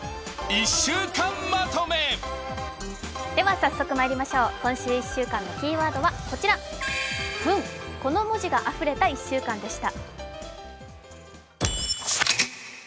早速まいりましょう、今週１週間のキーワードはこちら、「分」、この文字があふれた１週間でした。